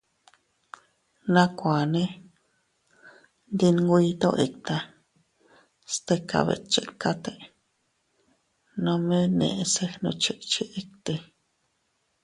Nakuanne ndi nwito itta, stika betchikate, nome neʼese gnuchikchi itti.